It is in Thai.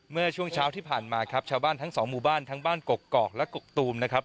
เมื่อช่วงเช้าที่ผ่านมาครับชาวบ้านทั้งสองหมู่บ้านทั้งบ้านกกอกและกกตูมนะครับ